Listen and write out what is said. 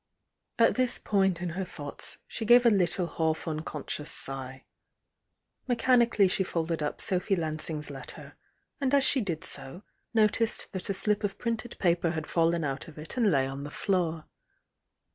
At this point in her thoughts she gave a little half unconscious sigh. Mechanically she folded up Sophy Lansing's letter, and as she did so, noticed that a slip of printed paper had fallen out of it and lay on the floor.